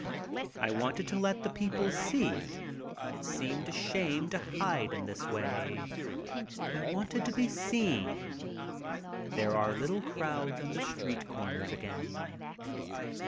I wanted to let the people see. It seemed a shame to hide in this way. I wanted to be seen. There are little crowds on the street corners again.